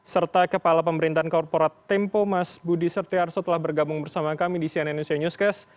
serta kepala pemerintahan korporat tempo mas budi setiarso telah bergabung bersama kami di cnn indonesia newscast